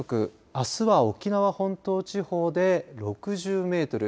あすは沖縄本島地方で６０メートル